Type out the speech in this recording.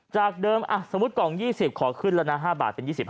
จากเดิมสมมุติกล่อง๒๐ขอขึ้นแล้วนะ๕บาทเป็น๒๐